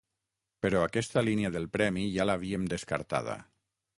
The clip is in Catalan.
Però aquesta línia del premi ja l'havíem descartada.